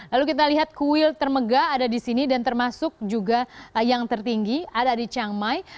lalu kita lihat kuil termega ada di sini dan termasuk juga yang tertinggi ada di chiang mai